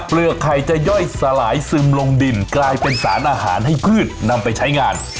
เปลือกไข่จะย่อยสลายซึมลงดินกลายเป็นสารอาหารให้พืชนำไปใช้งาน